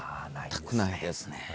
全くないですね。